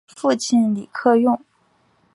父亲李克用。